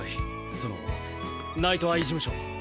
そのナイトアイ事務所。